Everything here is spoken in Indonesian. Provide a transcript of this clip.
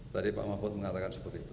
tadi pak mahfud mengatakan seperti itu